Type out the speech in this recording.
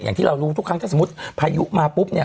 อย่างที่เรารู้ทุกครั้งถ้าสมมุติพายุมาปุ๊บเนี่ย